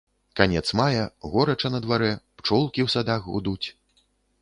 Канец мая, горача на дварэ, пчолкі ў садах гудуць.